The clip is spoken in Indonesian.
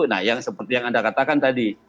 nah yang seperti yang anda katakan tadi